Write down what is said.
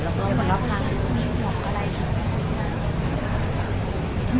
แล้วก็คนรักคราวมีหวังอะไรครับ